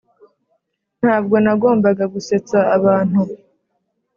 ntabwo nagombaga gusetsa abantu